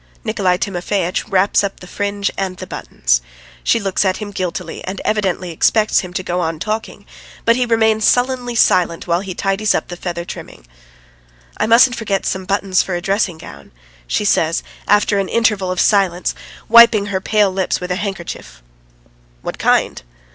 ..." Nikolay Timofeitch wraps up the fringe and the buttons. She looks at him guiltily and evidently expects him to go on talking, but he remains sullenly silent while he tidies up the feather trimming. "I mustn't forget some buttons for a dressing gown ..." she says after an interval of silence, wiping her pale lips with a handkerchief. "What kind?"